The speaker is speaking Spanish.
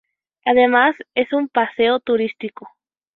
Además es un paseo turístico.